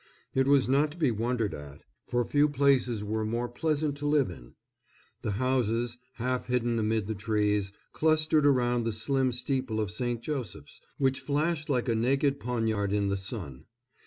It was not to be wondered at, for few places were more pleasant to live in. The houses, half hidden amid the trees, clustered around the slim steeple of St. Joseph's, which flashed like a naked poniard in the sun.